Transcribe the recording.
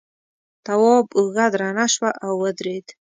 تواب اوږه درنه شوه او ودرېد.